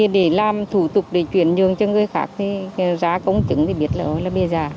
để làm thủ tục để chuyển nhường cho người khác thì giá công chứng thì biết là bia giả